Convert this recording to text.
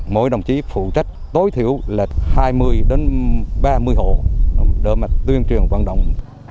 mỗi đồng chí phụ trách tối thiểu lệch hai mươi ba mươi hộ để tuyên truyền vận động